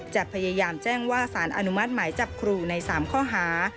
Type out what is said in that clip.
จะพยายามแจ้งว่าสารอนุมัติหมายจับครูใน๓ข้อหา